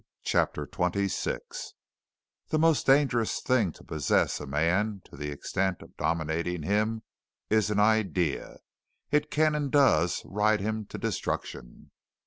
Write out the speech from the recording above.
CHAPTER XXVI The most dangerous thing to possess a man to the extent of dominating him is an idea. It can and does ride him to destruction.